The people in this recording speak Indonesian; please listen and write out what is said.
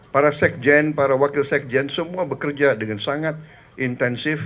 para sekjen para wakil sekjen semua bekerja dengan sangat intensif